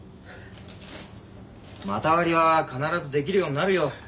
股割りは必ずできるようになるよ。